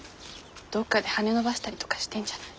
どっかで羽伸ばしたりとかしてんじゃない？